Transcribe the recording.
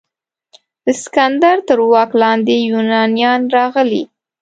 د سکندر تر واک لاندې یونانیان راغلي.